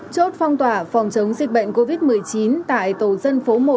chốt phong tỏa phòng chống dịch bệnh covid một mươi chín tại tổ dân phố một